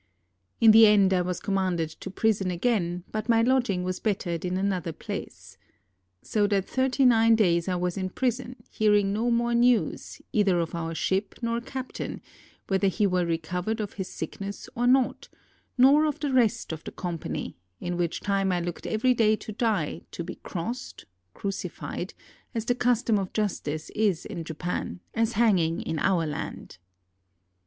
In the end I was commanded to prison again, but my lodging was bettered in another place. So that thirty nine days I was in prison, hearing no more news, neither of our ship nor captain, whether he were recovered of his sickness or not, nor of the rest of the company; in which time I looked every day to die, to be crossed [crucified] as the custom of justice is in Japan, as hanging in our land.